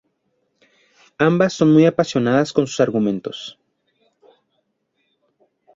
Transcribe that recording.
Ambas son muy apasionadas con sus argumentos.